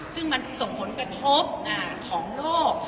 ซึ่งมันส่งผลกระทบของโลก